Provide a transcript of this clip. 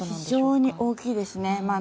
非常に大きいですね。